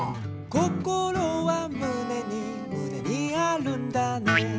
「こころはむねにむねにあるんだね」